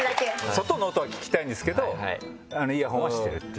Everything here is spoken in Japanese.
外の音は聞きたいんですけどイヤホンはしてるっていう。